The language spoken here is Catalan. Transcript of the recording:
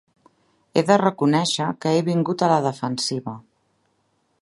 He de reconèixer que he vingut a la defensiva.